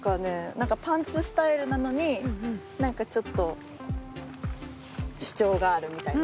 何かパンツスタイルなのに何かちょっと主張があるみたいな。